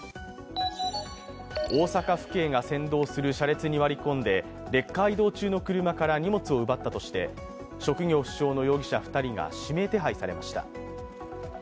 大阪府警が先導する車列に割り込んでレッカー移動中の車から荷物を奪ったとして職業不詳の容疑者２人が指名手配されました。